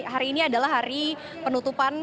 hari ini adalah hari penutupan